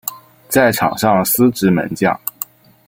在场上司职门将。